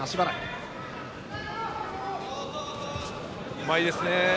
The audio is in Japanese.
うまいですね。